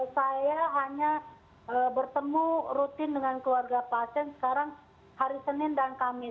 saya hanya bertemu rutin dengan keluarga pasien sekarang hari senin dan kamis